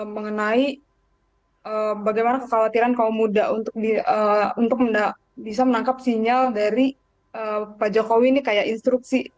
mengenai bagaimana kekhawatiran kaum muda untuk bisa menangkap sinyal dari pak jokowi ini kayak instruksi